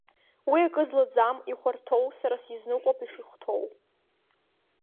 Уи акы злаӡам ихәарҭоу, сара сизныҟәап ишихәҭоу.